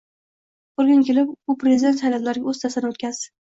Bir kun kelib bu prezident saylovlariga o‘z ta’sirini o‘tkazdi.